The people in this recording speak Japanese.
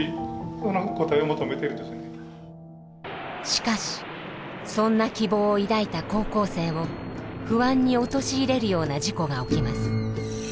しかしそんな希望を抱いた高校生を不安に陥れるような事故が起きます。